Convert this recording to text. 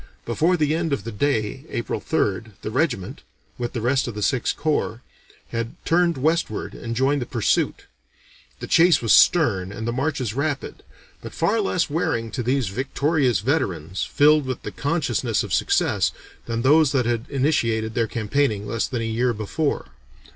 Before the end of the day (April 3rd) the regiment, with the rest of the Sixth Corps, had turned westward and joined the pursuit. The chase was stern and the marches rapid, but far less wearing to these victorious veterans, filled with the consciousness of success, than those that had initiated their campaigning less than a year before.